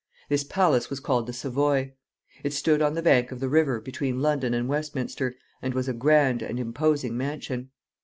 This palace was called the Savoy. It stood on the bank of the river, between London and Westminster, and was a grand and imposing mansion.